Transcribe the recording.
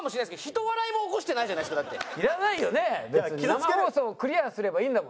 生放送をクリアすればいいんだもんね。